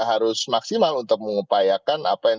harus maksimal untuk mengupayakan apa yang